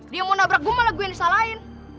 dia mau nabrak gue malah gue yang disalahin